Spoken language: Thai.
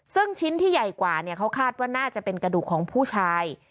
ซึ่งชิ้นที่ใหญ่กว่าเขาคาดว่าน่าจะเป็นกระดูกของผู้ชาย